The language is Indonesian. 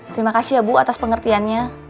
terima kasih ya bu atas pengertiannya